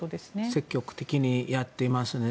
積極的にやっていますね。